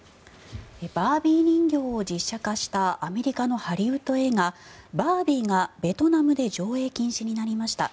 バービー人形を実写化したアメリカのハリウッド映画「バービー」がベトナムで上映禁止になりました。